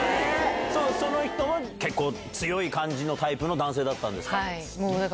その人も結構、強い感じのタイプの男性だったんですか？